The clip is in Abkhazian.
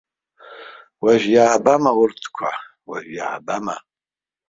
Уажә иаабама урҭқәа, уажә иаабама!